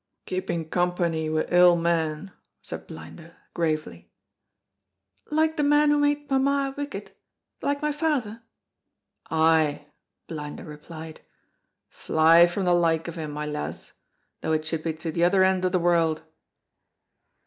"Keeping company wi' ill men," said Blinder, gravely. "Like the man who made mamma wicked, like my father?" "Ay," Blinder replied, "fly from the like of him, my lass, though it should be to the other end of the world."